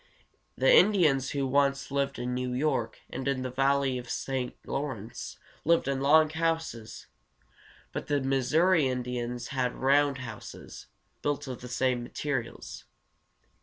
The Indians who once lived in New York and in the valley of the St. Law´rence lived in long houses, but the Mis sou´ri Indians had round houses, built of the same materials.